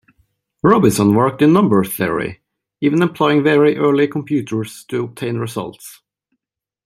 Robinson worked in number theory, even employing very early computers to obtain results.